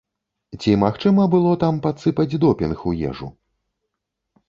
Ці магчыма было там падсыпаць допінг у ежу?